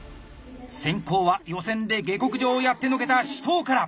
先行は予選で下克上をやってのけた紫桃から！